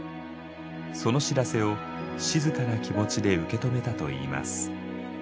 その知らせを静かな気持ちで受け止めたといいます。